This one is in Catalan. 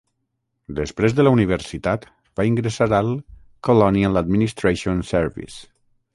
Després de la universitat va ingressar al "Colonial Administration Service".